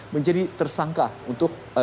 menjadi tersangka untuk